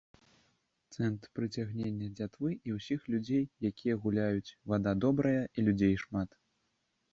Цэнтр прыцягнення дзятвы і ўсіх людзей, якія гуляюць, вада добрая і людзей шмат.